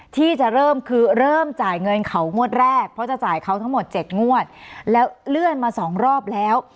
ที่จะเริ่มคือเริ่มจ่ายเงินเขางวดแรกเพราะจะจ่ายเขาทั้งหมด๗งวดแล้วเลื่อนมาสองรอบแล้ว